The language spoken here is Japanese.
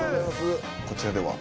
こちらでは？